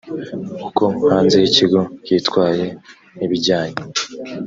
uko hanze y ikigo hitwaye nk ibijyanye